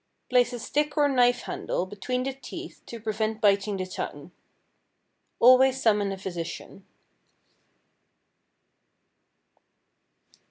Place a stick or knife handle between the teeth to prevent biting the tongue. Always summon a physician.